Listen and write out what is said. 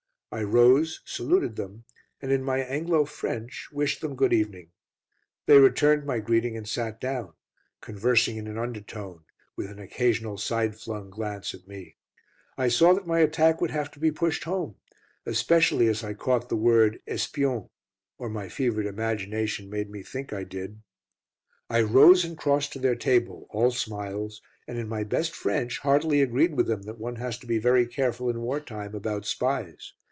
I rose, saluted them, and in my Anglo French wished them good evening. They returned my greeting and sat down, conversing in an undertone, with an occasional side flung glance at me. I saw that my attack would have to be pushed home, especially as I caught the word "espion," or my fevered imagination made me think I did. I rose and crossed to their table, all smiles, and in my best French heartily agreed with them that one has to be very careful in war time about spies.